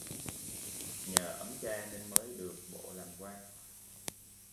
Nhờ ấm cha nên mới được bổ làm quan